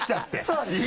そうです。